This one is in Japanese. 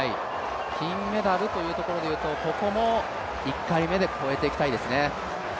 金メダルというところでいうと、ここも１回目で越えていきたいですね。